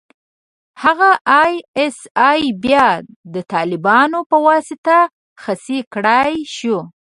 هغه ای اس ای بيا د طالبانو په واسطه خصي کړای شو.